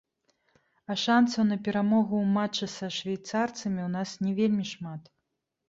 А шанцаў на перамогу ў матчы са швейцарцамі ў нас не вельмі шмат.